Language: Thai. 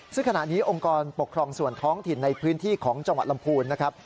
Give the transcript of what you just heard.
ซึ่งขณะนี้องค์กรปกครองส่วนท้องถิ่นในพื้นที่ของจังหวัดลำพูนนะครับ